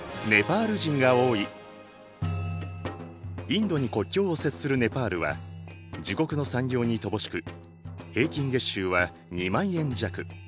インドに国境を接するネパールは自国の産業に乏しく平均月収は２万円弱。